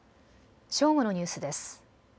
正午のニュースです。